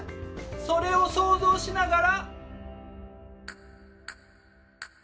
それを想像しながら。